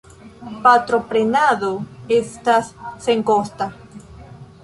Patroprenado estas senkosta.